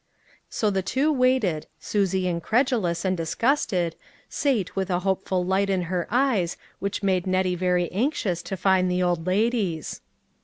So the two waited, Susie incredulous and dis gusted, Sate with a hopeful light in her eyes, which made Nettie very anxious to find the old ladies.